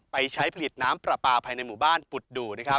ไปใช้ผลิตน้ำปลาปลาภายในหมู่บ้านปุดดูนะครับ